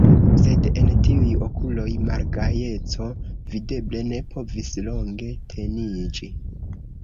Sed en tiuj okuloj malgajeco videble ne povis longe teniĝi.